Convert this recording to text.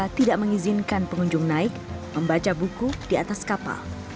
tidak mengizinkan pengunjung naik membaca buku di atas kapal